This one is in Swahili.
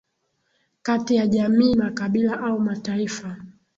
kati ya jamii makabila au mataifa